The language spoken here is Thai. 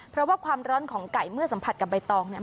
เพราะว่าความร้อนของไก่เมื่อสัมผัสกับใบตองเนี่ย